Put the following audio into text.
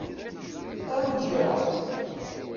Aru-d kra!